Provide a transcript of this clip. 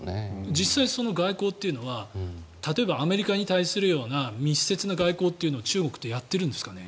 実際その外交というのは例えばアメリカに対するような密接な外交というのを中国とやってるんですかね。